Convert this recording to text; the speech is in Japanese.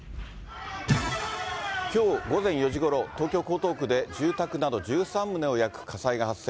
きょう午前４時ごろ、東京・江東区で住宅など１３棟を焼く火災が発生。